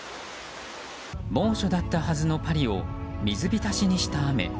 猛暑だったはずのパリを水浸しにした雨。